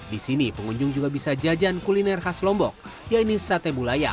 di sini pengunjung juga bisa jajan kuliner khas lombok yaitu sate bulayak